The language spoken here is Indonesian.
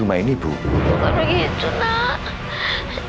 bukan begitu nak